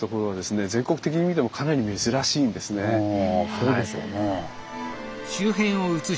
そうでしょうね。